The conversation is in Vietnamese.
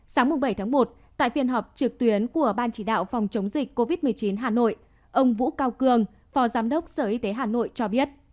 sáng bảy một tại phiên họp trực tuyến của ban chỉ đạo phòng chống dịch covid một mươi chín hà nội ông vũ cao cường phó giám đốc sở y tế hà nội cho biết